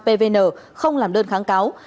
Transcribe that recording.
pvn không làm đơn kháng cáo